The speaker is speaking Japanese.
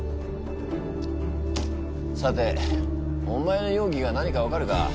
さてお前の容疑が何か分かるか？